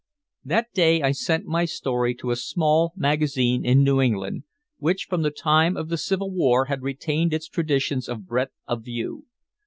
That day I sent my story to a small magazine in New England, which from the time of the Civil War had retained its traditions of breadth of view.